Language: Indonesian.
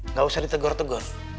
nggak usah ditegor tegor